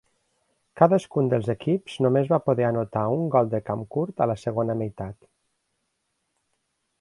Cadascun dels equips només va poder anotar un gol de camp curt a la segona meitat.